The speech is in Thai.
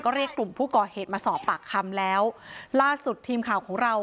เรียกกลุ่มผู้ก่อเหตุมาสอบปากคำแล้วล่าสุดทีมข่าวของเรา